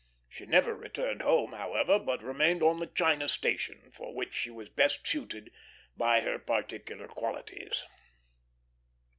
She never returned home, however, but remained on the China station, for which she was best suited by her particular qualities.